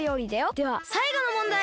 ではさいごのもんだい。